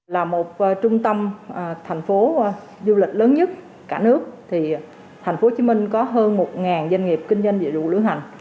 là một trung tâm thành phố du lịch lớn nhất cả nước thì tp hcm có hơn một doanh nghiệp kinh doanh vệ đủ lưu hành